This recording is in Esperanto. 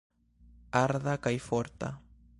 Arda kaj forta.